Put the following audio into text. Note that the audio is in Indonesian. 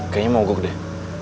kayaknya mau gug deh